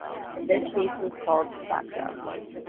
This piece was called: Saxo.